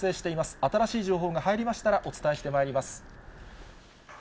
新しい情報が入りましたら、お伝えしてまいります。